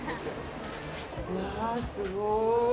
うわー、すごい。